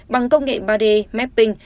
bằng công nghệ ba d mapping